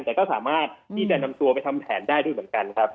แต่ก็สามารถที่จะนำตัวไปทำแผนได้ด้วยเหมือนกันครับ